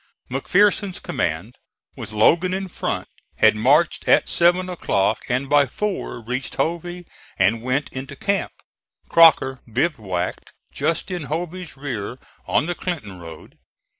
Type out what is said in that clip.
McPherson's command, with Logan in front, had marched at seven o'clock, and by four reached Hovey and went into camp; Crocker bivouacked just in Hovey's rear on the Clinton road.